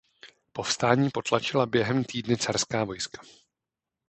Povstání potlačila během týdne carská vojska.